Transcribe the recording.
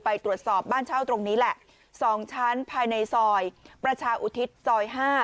ไปตรวจสอบบ้านเช่าตรงนี้แหละ๒ชั้นภายในซอยประชาอุทิศซอย๕